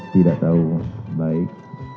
tidak tahu baik